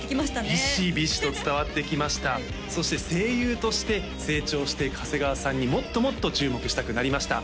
ビシビシと伝わってきましたそして声優として成長していく長谷川さんにもっともっと注目したくなりました